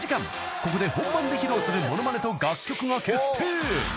ここで本番で披露するモノマネと楽曲が決定！］